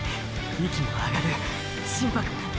息も上がる心拍も！！